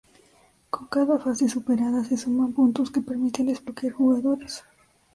Con cada fase superada se suman puntos que permiten desbloquear jugadores.